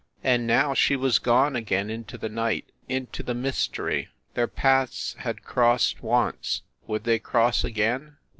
And now she was gone again into the night, into the mystery. ... Their paths had crossed once would they cross again